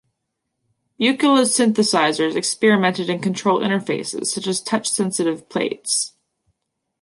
Buchla's synthesizers experimented in control interfaces, such as touch-sensitive plates.